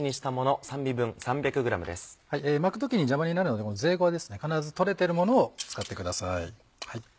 巻く時に邪魔になるのでぜいごは必ず取れてるものを使ってください。